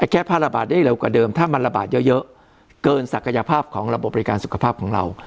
แก้ผ้าระบาดได้เร็วกว่าเดิมถ้ามันระบาดเยอะเกินศักยภาพของระบบบริการสุขภาพของเรา